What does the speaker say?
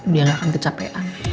dia gak akan kecapean